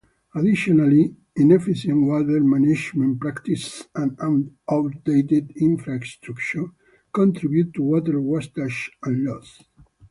Additionally, inefficient water management practices and outdated infrastructure contribute to water wastage and loss.